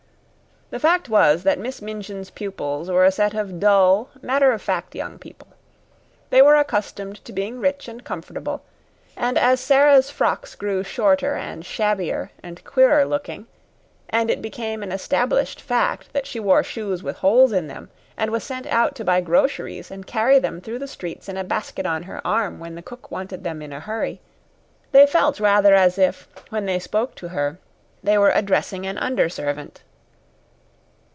The fact was that Miss Minchin's pupils were a set of dull, matter of fact young people. They were accustomed to being rich and comfortable, and as Sara's frocks grew shorter and shabbier and queerer looking, and it became an established fact that she wore shoes with holes in them and was sent out to buy groceries and carry them through the streets in a basket on her arm when the cook wanted them in a hurry, they felt rather as if, when they spoke to her, they were addressing an under servant.